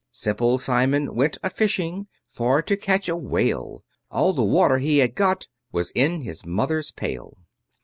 Simple Simon went a fishing For to catch a whale: All the water he had got Was in his mother's pail.